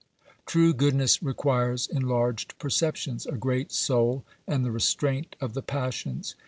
True goodness requires enlarged perceptions, a great soul and the restraint of the passions.